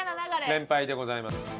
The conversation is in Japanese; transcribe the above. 連敗でございます。